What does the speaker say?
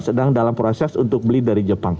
sedang dalam proses untuk beli dari jepang